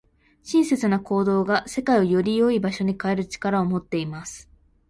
親切な行動が、世界をより良い場所に変える力を持っています。